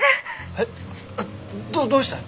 えっどうした！？